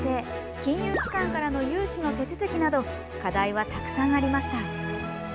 金融機関からの融資の手続きなど課題はたくさんありました。